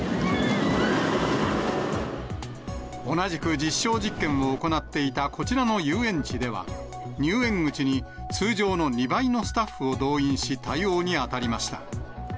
同じく、実証実験を行っていたこちらの遊園地では、入園口に通常の２倍のスタッフを動員し、対応に当たりました。